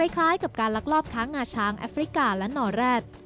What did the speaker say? คล้ายกับการลักลอบค้างงาช้างแอฟริกาและนอแร็ด